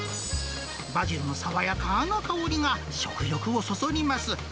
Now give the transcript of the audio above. バジルの爽やかな香りが食欲をそそります。